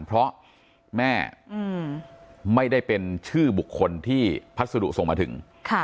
เพราะแม่ไม่ได้เป็นชื่อบุคคลที่พัสดุส่งมาถึง